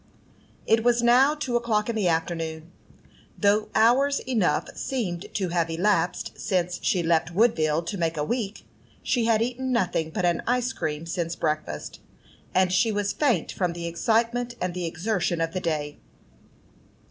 It was now two o'clock in the afternoon, though hours enough seemed to have elapsed since she left Woodville to make a week. She had eaten nothing but an ice cream since breakfast, and she was faint from the excitement and the exertion of the day.